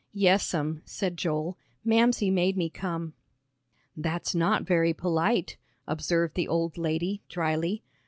"Yes'm," said Joel, "Mamsie made me come." "That's not very polite," observed the old lady, dryly.